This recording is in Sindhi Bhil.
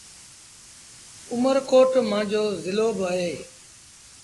اُمر ڪوٽ مآݩجو زلو با اهي۔